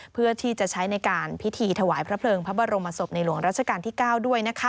เพื่อที่จะใช้ในการพิธีถวายพระเพลิงพระบรมศพในหลวงราชการที่๙ด้วยนะคะ